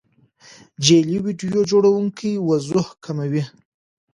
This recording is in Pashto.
جعلي ویډیو جوړونکي وضوح کموي.